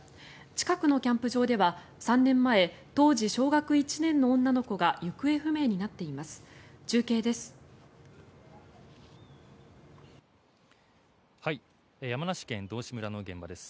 近くのキャンプ場では３年前、当時小学１年の女の子が行方不明になっています。